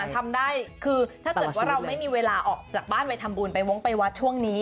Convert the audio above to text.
ทำได้คือถ้าเกิดว่าเราไม่มีเวลาออกจากบ้านไปทำบุญไปวงไปวัดช่วงนี้